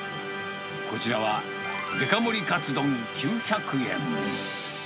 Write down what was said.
こちらはデカ盛りかつ丼９００円。